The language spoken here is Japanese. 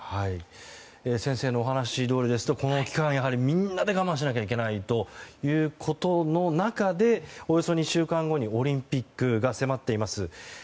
先生のお話どおりですとこの期間、みんなで我慢しなきゃいけないということの中でおよそ２週間後にオリンピックが迫っています。